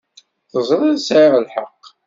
Teẓriḍ sɛiɣ lḥeqq.